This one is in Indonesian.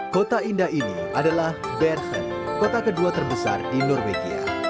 kota indah ini adalah benven kota kedua terbesar di norwegia